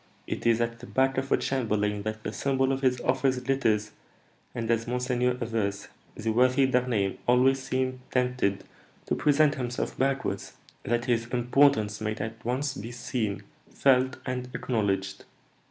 it is at the back of a chamberlain that the symbol of his office glitters, and, as monseigneur avers, the worthy D'Harneim always seems tempted to present himself backwards, that his importance may at once be seen, felt, and acknowledged."